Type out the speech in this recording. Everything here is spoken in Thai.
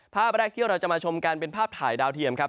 ภาพแรกที่เราจะมาชมกันเป็นภาพถ่ายดาวเทียมครับ